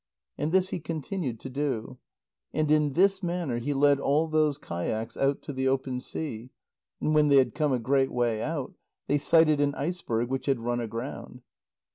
And this he continued to do. And in this manner he led all those kayaks out to the open sea, and when they had come a great way out, they sighted an iceberg which had run aground.